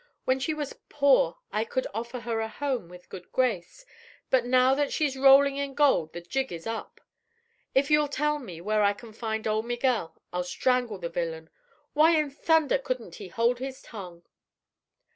When she was poor, I could offer her a home with good grace, but now that she's rolling in gold the jig is up! If you'll tell me, where I can find old Miguel, I'll strangle the villain. Why in thunder couldn't he hold his tongue?"